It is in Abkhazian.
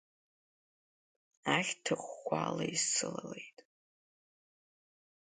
Ахьҭа ӷәӷәала исылалеит.